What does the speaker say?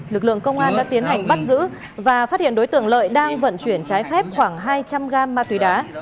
lực lượng công an đã tiến hành bắt giữ và phát hiện đối tượng lợi đang vận chuyển trái phép khoảng hai trăm linh g ma túy đá